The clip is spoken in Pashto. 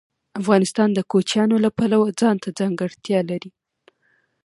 افغانستان د کوچیانو له پلوه ځانته ځانګړتیا لري.